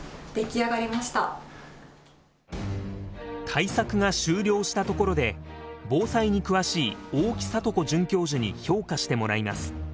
対策が終了したところで防災に詳しい大木聖子准教授に評価してもらいます。